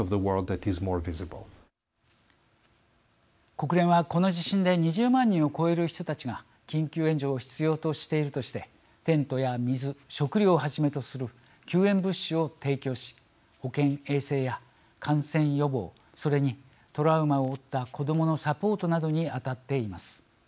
国連はこの地震で２０万人を超える人たちが緊急援助を必要としているとしてテントや水食料をはじめとする救援物資を提供し保健衛生や感染予防それにトラウマを負った子どものサポートなどに当たっています。